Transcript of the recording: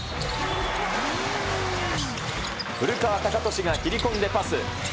古川孝敏が切り込んでパス。